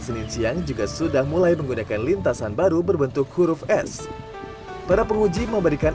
senin siang juga sudah mulai menggunakan lintasan baru berbentuk huruf s para penguji memberikan